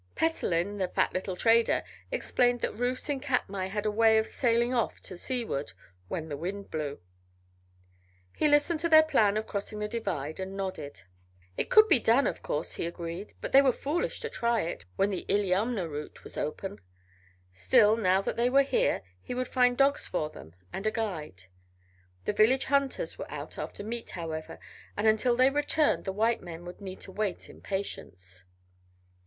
Petellin, the fat little trader, explained that roofs in Katmai had a way of sailing off to seaward when the wind blew. He listened to their plan of crossing the divide and nodded. It could be done, of course, he agreed, but they were foolish to try it, when the Illiamna route was open. Still, now that they were here, he would find dogs for them, and a guide. The village hunters were out after meat, however, and until they returned the white men would need to wait in patience.